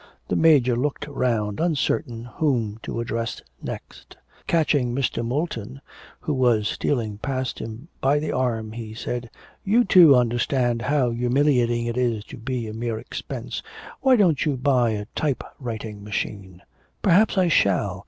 The Major looked round, uncertain whom to address next. Catching Mr. Moulton, who was stealing past him, by the arm, he said: 'You, too, understand how humiliating it is to be a mere expense. Why don't you buy a type writing machine?' 'Perhaps I shall